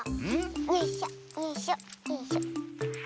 よいしょよいしょよいしょ。